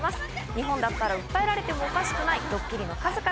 日本だったら訴えられてもおかしくないドッキリの数々。